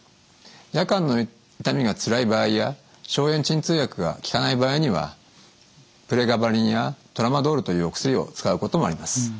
夜間の痛みがつらい場合や消炎鎮痛薬が効かない場合にはプレガバリンやトラマドールというお薬を使うこともあります。